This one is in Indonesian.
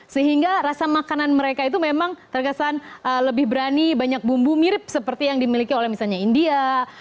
sehingga rasa makanan mereka itu memang terkesan lebih berani banyak bumbu mirip seperti yang dimiliki oleh misalnya india